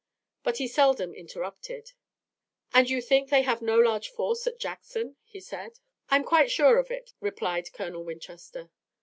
But he seldom interrupted. "And you think they have no large force at Jackson?" he said. "I'm quite sure of it," replied Colonel Winchester.